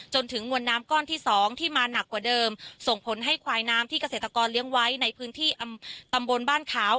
จนถึงมวลน้ำก้อนที่สองที่มาหนักกว่าเดิมส่งผลให้ควายน้ำที่เกษตรกรเลี้ยงไว้ในพื้นที่ตำบลบ้านขาว